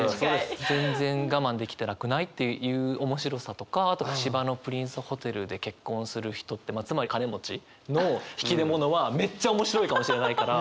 全然我慢できてなくない？っていう面白さとかあと芝のプリンスホテルで結婚する人ってつまり金持ちの引出物はめっちゃ面白いかもしれないから。